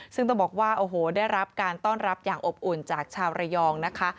ซึ่งต้องบอกว่าโอ้โหได้รับการต้อนรับอย่างอบอุ่นจากชาวระยองนะคะ